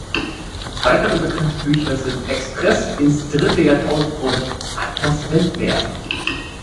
Weitere bekannte Bücher sind "Express ins dritte Jahrtausend" und "Atlas Weltmeer".